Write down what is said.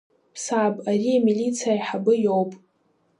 Саб, ари амилициа аиҳабы иоуп…